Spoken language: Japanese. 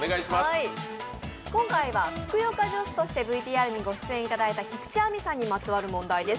今回はふくよか女子としてＶＴＲにご出演いただいた菊地亜美さんにまつわる問題です。